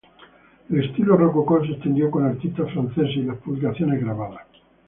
El estilo rococó se extendió con artistas franceses y las publicaciones grabadas.